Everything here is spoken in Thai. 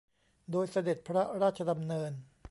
โดยเสด็จพระราชดำเนิน